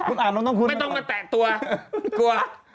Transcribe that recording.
คุณอ่านของน้องคุณก่อนไม่ต้องมาแตะตัวกลัว